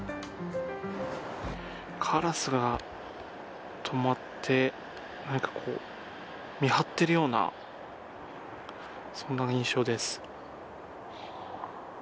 カラスが止まって見張っているようなそんな印象です。